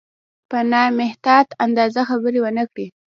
په نامحتاط انداز خبرې ونه کړي.